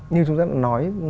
như chúng ta đã nói